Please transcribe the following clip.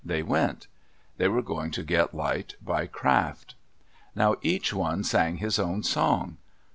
They went. They were going to get light by craft. Now each one sang his own song.